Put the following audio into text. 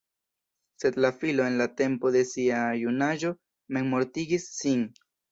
Sed la filo en la tempo de sia junaĝo memmortigis sin.